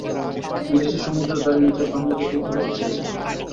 বিদেশে সমুদ্রের ধারে নিজের বাংলোতে থিতু হতে চেয়েছিলাম।